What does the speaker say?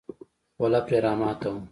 خوله پرې راماته وه.